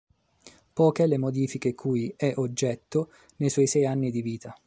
Poche le modifiche cui è oggetto nei suoi sei anni di vita.